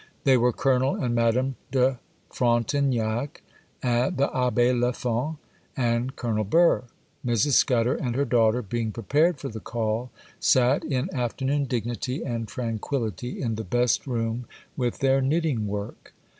They were Colonel and Madame de Frontignac, the Abbé Léfon, and Colonel Burr. Mrs. Scudder and her daughter, being prepared for the call, sat in afternoon dignity and tranquillity, in the best room, with their knitting work.